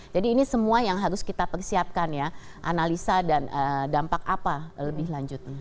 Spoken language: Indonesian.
jadi ini semua yang harus kita persiapkan ya analisa dan dampak apa lebih lanjut